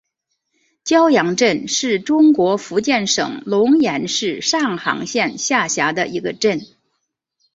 蛟洋镇是中国福建省龙岩市上杭县下辖的一个镇。